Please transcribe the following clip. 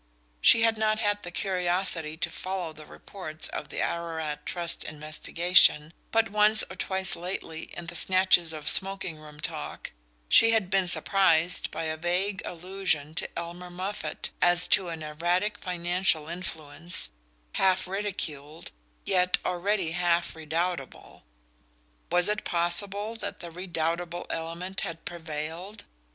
She had not had the curiosity to follow the reports of the "Ararat Trust Investigation," but once or twice lately, in the snatches of smoking room talk, she had been surprised by a vague allusion to Elmer Moffatt, as to an erratic financial influence, half ridiculed, yet already half redoubtable. Was it possible that the redoubtable element had prevailed?